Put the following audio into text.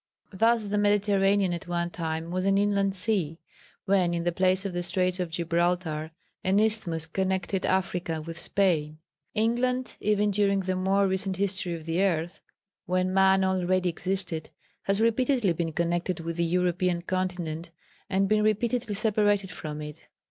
"Thus the Mediterranean at one time was an inland sea, when in the place of the Straits of Gibraltar, an isthmus connected Africa with Spain. England even during the more recent history of the earth, when man already existed, has repeatedly been connected with the European continent and been repeatedly separated from it.